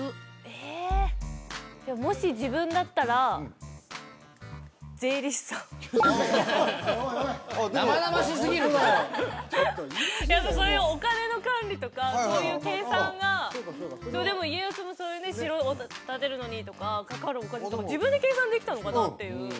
でももし自分だったら税理士さんああでも生々しすぎるでしょホントだよやっぱそういうお金の管理とかそういう計算がでも家康もそういうね城を建てるのにとかかかるお金とか自分で計算できたのかなっていう